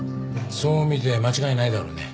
そう見て間違いないだろうね。